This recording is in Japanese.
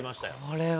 これは。